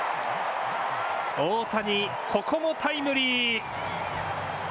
大谷、ここもタイムリー。